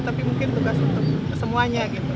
tapi mungkin tugas untuk semuanya gitu